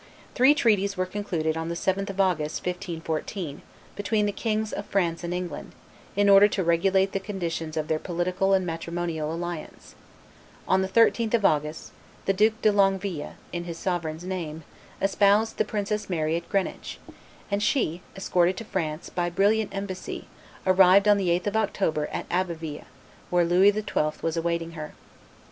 Three treaties were concluded on the 7th of August, 1514, between the Kings of France and England, in order to regulate the conditions of their political and matrimonial alliance; on the 13th of August, the Duke de Longueville, in his sovereign's name, espoused the Princess Mary at Greenwich; and she, escorted to France by brilliant embassy, arrived on the 8th of October at Abbeville where Louis XII. was awaiting her.